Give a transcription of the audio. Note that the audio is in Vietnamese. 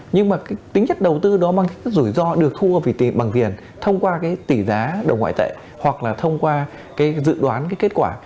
nhưng mà tính chất đầu tư đó mang các rủi ro được thua bằng tiền thông qua tỷ giá đầu ngoại tệ hoặc là thông qua dự đoán kết quả